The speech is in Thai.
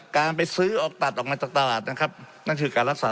การไปซื้อออกตัดออกมาจากตลาดนะครับนั่นคือการรักษา